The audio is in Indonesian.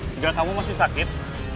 enggak kamu masih sakit